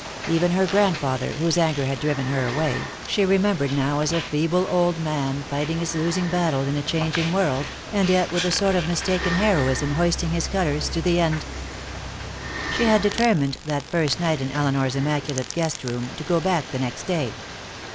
Even her grandfather, whose anger had driven her away, she remembered now as a feeble old man, fighting his losing battle in a changing world, and yet with a sort of mistaken heroism hoisting his colors to the end. She had determined, that first night in Elinor's immaculate guest room, to go back the next day.